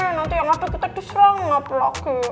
nanti yang nanti kita diserang sama pelaki